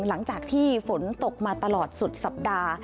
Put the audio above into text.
หลังจากที่ฝนตกมาตลอดสุดสัปดาห์